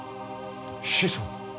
子孫？